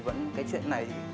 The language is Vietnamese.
vẫn cái chuyện này